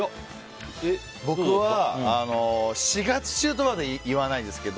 僕は４月中とまではいかないですけど。